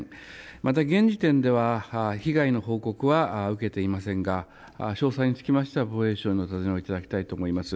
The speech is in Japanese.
また現時点では、被害の報告は受けていませんが、詳細につきましては防衛省などにしていただきたいと思います。